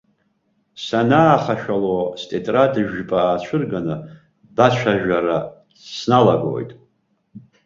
Санаахашәало, стетрад жәпа аацәырганы, бацәажәара сналагоит.